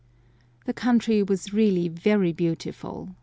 The country was really very beautiful.